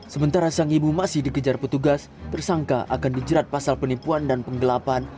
sementara sang ibu masih dikejar petugas tersangka akan dijerat pasal penipuan dan penggelapan